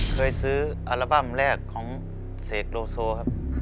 เคยซื้ออัลบั้มแรกของเสกโลโซครับ